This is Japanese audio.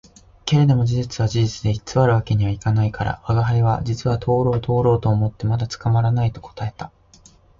けれども事実は事実で偽る訳には行かないから、吾輩は「実はとろうとろうと思ってまだ捕らない」と答えた